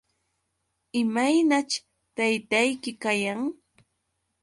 ¿Imaynaćh taytayki kayan?